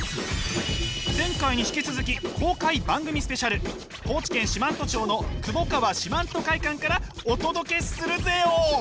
前回に引き続き高知県四万十町の窪川四万十会館からお届けするぜよ！